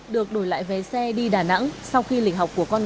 được đổi lại vé xe đi đà nẵng sau khi lịch học của con người